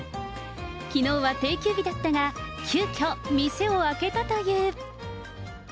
きのうは定休日だったが、急きょ、店を開けたという。